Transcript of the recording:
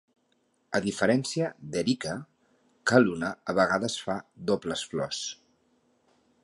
A diferència d'"Erica", "Calluna" a vegades fa dobles flors.